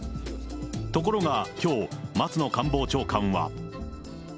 ところが、きょう、松野官房長官は。